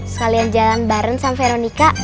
sekalian jalan bareng sama veronica